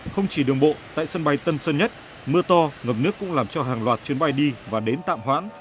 không chỉ đường bộ tại sân bay tân sơn nhất mưa to ngập nước cũng làm cho hàng loạt chuyến bay đi và đến tạm hoãn